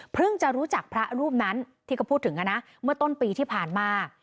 จะรู้จักพระรูปนั้นที่เขาพูดถึงนะเมื่อต้นปีที่ผ่านมา